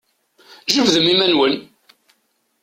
Jebdem iman-nwen!